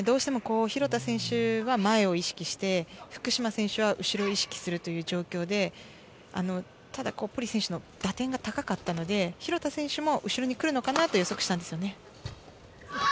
廣田選手は前を意識して、福島選手は後ろを意識する状況で、ポリイ選手の打点が高かったので、廣田選手も後ろに来るのかなと予想したんですよね。